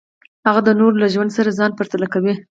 هغه د نورو له ژوند سره ځان پرتله کوي.